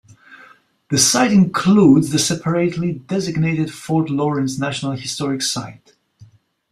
The site includes the separately designated Fort Lawrence National Historic Site.